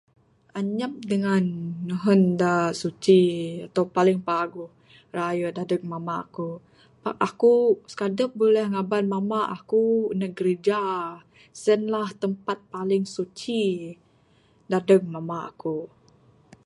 Anyap dangan nehen da suci ato paling paguh raye dadeg mamba aku. Pak aku sikadep buleh ngaban mamba aku neg grija sien lah tempat paling suci dadeg mamba aku.